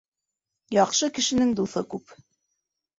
Яҡшы кешенең дуҫы күп.